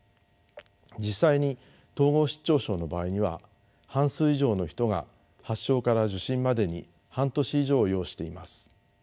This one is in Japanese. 実際に統合失調症の場合には半数以上の人が発症から受診までに半年以上を要しています。